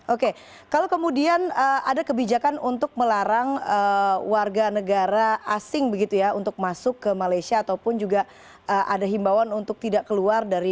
oke kalau kemudian ada kebijakan untuk melarang warga negara asing begitu ya untuk masuk ke malaysia ataupun juga ada himbawan untuk tidak keluar dari